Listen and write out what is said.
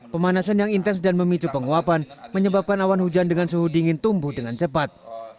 pemanasan yang intens dan memicu penguapan menyebabkan awan hujan dengan suhu dingin tumbuh dengan cepat